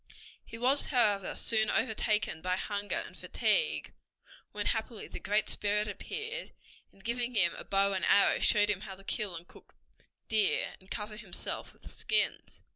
He was, however, soon overtaken by hunger and fatigue, when happily the Great Spirit appeared, and giving him a bow and arrow showed him how to kill and cook deer, and cover himself with the skins.